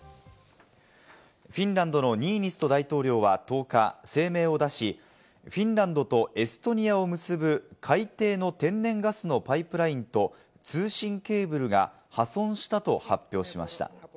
フィンランドのニーニスト大統領は１０日、声明を出し、フィンランドとエストニアを結ぶ海底の天然ガスのパイプラインと通信ケーブルが破損したと発表しました。